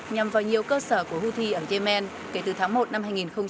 nhằm vào nhiều cơ sở của houthi ở yemen kể từ tháng một năm hai nghìn hai mươi bốn